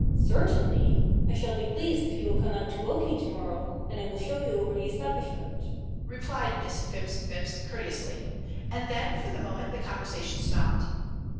"Certainly. I shall be pleased if you will come out to Woking to morrow, and I will show you over the establishment," replied Miss Phipps Phipps, courteously. And then for the moment the conversation stopped.